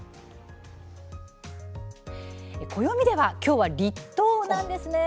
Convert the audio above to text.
暦ではきょうは立冬なんですね。